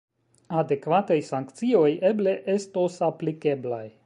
Adekvataj sankcioj eble estos aplikeblaj.